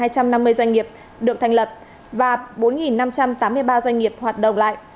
hai trăm năm mươi doanh nghiệp được thành lập và bốn năm trăm tám mươi ba doanh nghiệp hoạt động lại